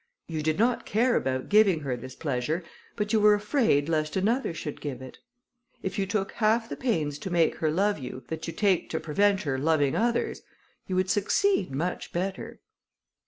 You did not care about giving her this pleasure, but you were afraid lest another should give it. If you took half the pains to make her love you, that you take to prevent her loving others, you would succeed much better."